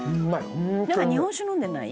「なんか日本酒飲んでない？